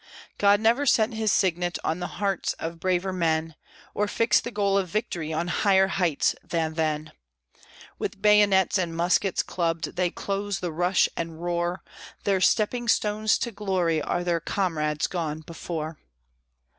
God never set His signet on the hearts of braver men, Or fixed the goal of victory on higher heights than then; With bayonets and muskets clubbed, they close the rush and roar; Their stepping stones to glory are their comrades gone before.